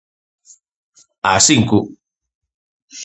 As cinco.